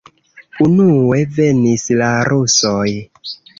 Unue venis la rusoj.